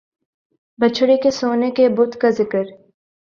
بچھڑے کے سونے کے بت کا ذکر